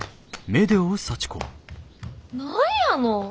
何やの。